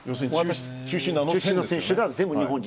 中心選手が全部、日本人。